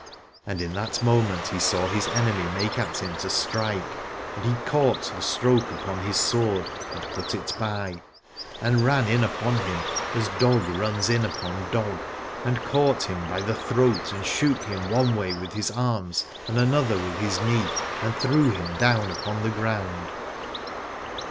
And in that moment he saw his enemy make at him to strike, and he caught the stroke 75 Aladore upon his sword and put it by, and ran in upon him as dog runs in upon dog, and caught him by the throat and shook him one way with his arms and another way with his knee, and threw him down upon the ground.